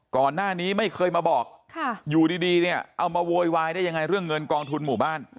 ก่อนหน้านี้ไม่เคยมาบอกอยู่ดีเนี่ยเอามาโวยวายได้ยังไงเรื่องเงินกองทุนหมู่บ้าน